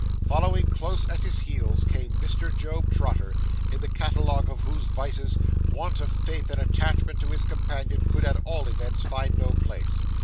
Following close at his heels, came Mr. Job Trotter, in the catalogue of whose vices, want of faith and attachment to his companion could at all events find no place.